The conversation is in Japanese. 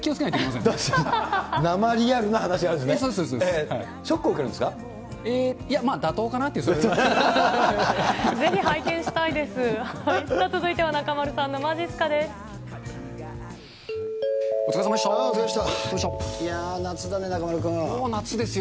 さあ、続いては中丸さんのまじっすかです。